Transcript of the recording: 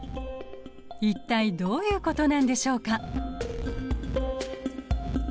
一体どういうことなんでしょうか？